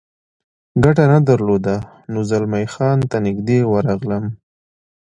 ګټه نه درلوده، نو زلمی خان ته نږدې ورغلم.